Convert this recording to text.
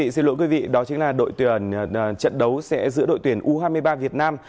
xin lỗi quý vị đó chính là trận đấu giữa đội tuyển u hai mươi ba việt nam